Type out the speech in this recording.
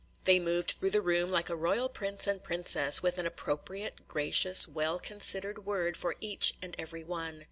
They moved through the room like a royal prince and princess, with an appropriate, gracious, well considered word for each and every one.